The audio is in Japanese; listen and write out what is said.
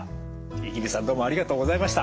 五十君さんどうもありがとうございました。